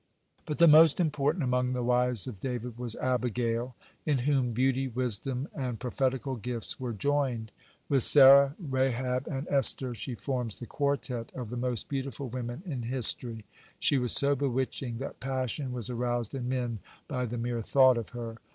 (135) But the most important among the wives of David was Abigail, in whom beauty, wisdom, and prophetical gifts were joined. With Sarah, Rahab, and Esther, she forms the quartet of the most beautiful women in history. She was so bewitching that passion was aroused in men by the mere thought of her.